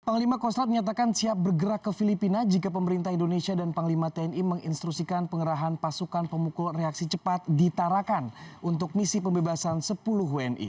panglima kostrat menyatakan siap bergerak ke filipina jika pemerintah indonesia dan panglima tni menginstrusikan pengerahan pasukan pemukul reaksi cepat ditarakan untuk misi pembebasan sepuluh wni